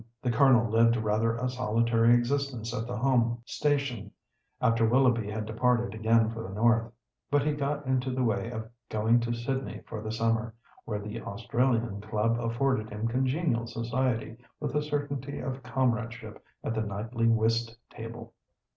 The Colonel lived rather a solitary existence at the home station after Willoughby had departed again for the north, but he got into the way of going to Sydney for the summer, where the Australian Club afforded him congenial society, with a certainty of comradeship at the nightly whist table.